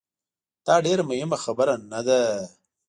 داډیره مهمه خبره نه ده